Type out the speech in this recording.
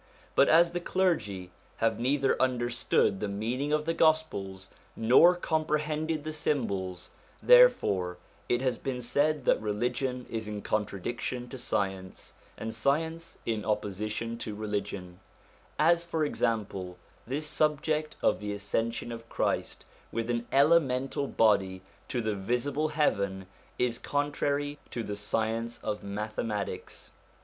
But as the clergy have neither understood the meaning of the Gospels nor comprehended the symbols, therefore it has been said that religion is in contradiction to science, and science in opposition to religion ; as, for example, this subject of the ascension of Christ with an elemental body to the visible heaven is contrary to the science of mathematics.